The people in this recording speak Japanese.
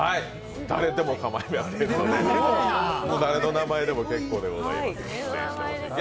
誰でも構いませんので、もう誰の名前でも結構でございます。